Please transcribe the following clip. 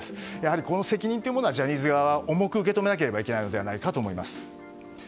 責任はジャニーズ側は重く受け止めなければいけないかと思います。